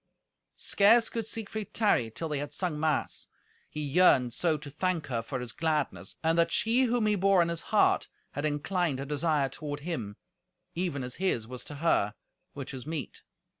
Scarce could Siegfried tarry till they had sung mass, he yearned so to thank her for his gladness, and that she whom he bore in his heart had inclined her desire toward him, even as his was to her, which was meet.